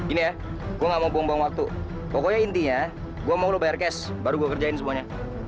ini ya gua nggak mau buang buang waktu pokoknya intinya gua mau lu bayar cash baru gue kerjain semuanya